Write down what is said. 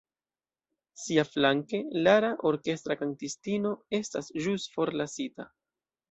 Siaflanke, Lara, orkestra kantistino, estas ĵus forlasita.